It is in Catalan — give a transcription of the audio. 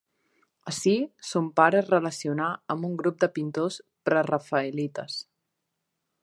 Ací, son pare es relacionà amb un grup de pintors prerafaelites.